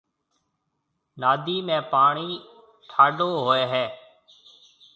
نادِي ۾ پاڻِي ٺاڍو هوئيَ هيَ